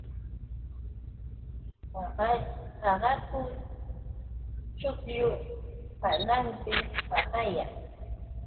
Qaqaku chuqllu hananpi qaqayan.